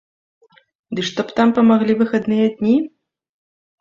Ды што б там памаглі выхадныя дні?!